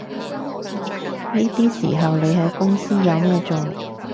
呢啲時候你喺公司有咩做